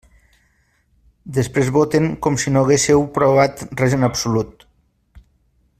Després voten com si no haguésseu provat res en absolut.